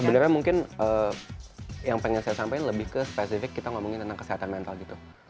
sebenarnya mungkin yang pengen saya sampaikan lebih ke spesifik kita ngomongin tentang kesehatan mental gitu